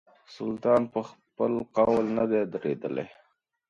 سلطان پر خپل قول نه دی درېدلی.